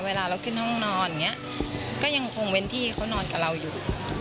เวลาเราขึ้นห้องนอนอย่างนี้ก็ยังคงเว้นที่เขานอนกับเราอยู่